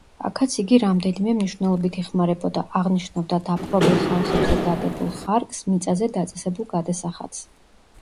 აქაც იგი რამდენიმე მნიშვნელობით იხმარებოდა: აღნიშნავდა დაპყრობილ ხალხებზე დადებულ ხარკს, მიწაზე დაწესებულ გადასახადს.